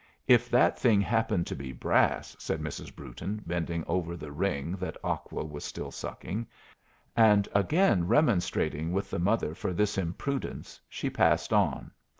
"If that thing happened to be brass," said Mrs. Brewton, bending over the ring that Aqua was still sucking; and again remonstrating with the mother for this imprudence, she passed on.